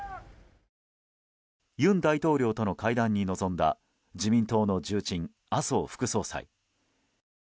尹大統領との会談に臨んだ自民党の重鎮・麻生副総裁。